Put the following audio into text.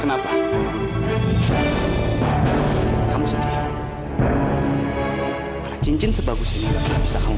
kenapa kamu sedih karena cincin sebagus ini bisa kamu